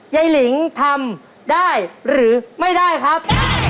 หลิงทำได้หรือไม่ได้ครับ